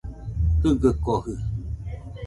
Jɨgɨkojɨ